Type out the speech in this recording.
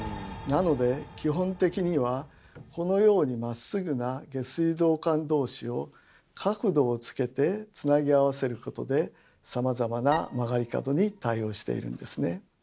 なので基本的にはこのようにまっすぐな下水道管同士を角度をつけてつなぎ合わせることでさまざまな曲がり角に対応しているんですね。